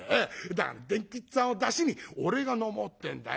だから伝吉っつぁんをだしに俺が飲もうってんだよ。